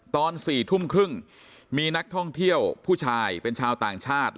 ตอน๔ทุ่มครึ่งมีนักท่องเที่ยวผู้ชายเป็นชาวต่างชาติ